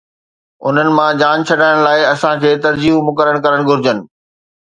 انهن مان جان ڇڏائڻ لاءِ اسان کي ترجيحون مقرر ڪرڻ گهرجن.